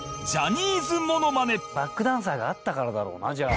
「バックダンサーがあったからだろうなじゃあ」